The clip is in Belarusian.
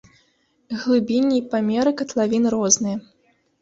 Глыбіні і памеры катлавін розныя.